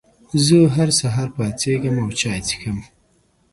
زه هر سهار پاڅېږم او چای څښم.